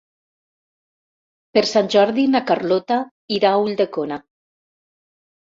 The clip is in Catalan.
Per Sant Jordi na Carlota irà a Ulldecona.